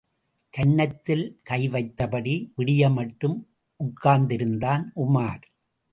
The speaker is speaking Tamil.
கன்னத்தில் கைவைத்தபடி விடியுமட்டும் உட்கார்ந்திருந்தான் உமார்.